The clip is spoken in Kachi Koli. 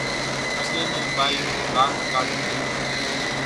اڳيَ نيون ٻايوُن لاز ڪاڍتِيون۔